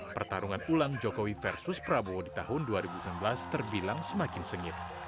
pertarungan ulang jokowi versus prabowo di tahun dua ribu sembilan belas terbilang semakin sengit